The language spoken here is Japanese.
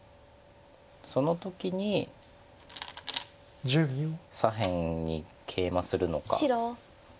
その時に左辺にケイマするのか。